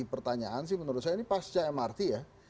pertanyaan sih menurut saya ini pasca mrt ya